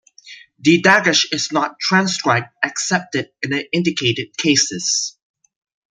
The "dagesh" is not transcribed excepted in the indicated cases.